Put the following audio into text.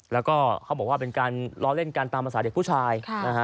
แล้วก็เขาบอกว่าเป็นการล้อเล่นกันตามภาษาเด็กผู้ชายนะฮะ